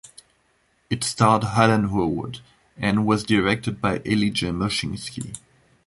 It starred Alan Howard and was directed by Elijah Moshinsky.